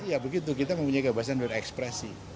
ya begitu kita memiliki kebiasaan dengan ekspresi